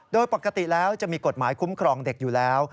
โดยปกติแล้วจะมีกฎหมายคุ้มครองเด็กอยู่แล้ว